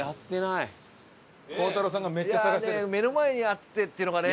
いやあねえ目の前にあってっていうのがね。